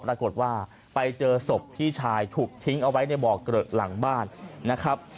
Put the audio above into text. ปรากฏว่าไปเจอศพพี่ชายถูกทิ้งเอาไว้ในบ่อเกลอะหลังบ้านนะครับ